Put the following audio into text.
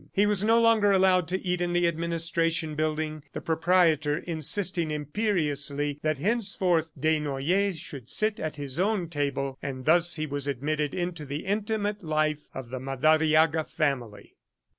He was no longer allowed to eat in the administration building, the proprietor insisting imperiously that henceforth Desnoyers should sit at his own table, and thus he was admitted into the intimate life of the Madariaga family.